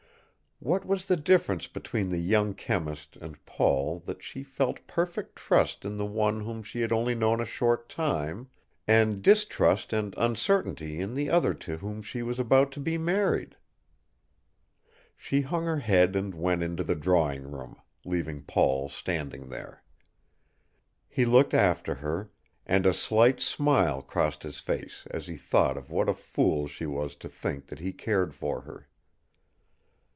What was the difference between the young chemist and Paul that she felt perfect trust in the one whom she had known only a short time and distrust and uncertainty in the other to whom she was about to be married? She hung her head and went into the drawing room, leaving Paul standing there. He looked after her, and a slight smile crossed his face as he thought of what a fool she was to think that he cared for her.